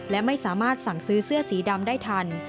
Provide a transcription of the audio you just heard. และไม่สามารถสั่งซื้อเสื้อสีดำได้ทัน